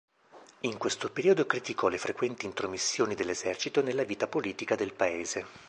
In questo periodo criticò le frequenti intromissioni dell'esercito nella vita politica del Paese.